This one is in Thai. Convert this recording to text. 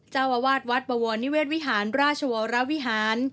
เจ้าอาวาสวัดบวรนิเวศวิหารราชวรวิหาร